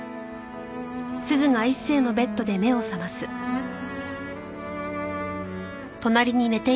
うん。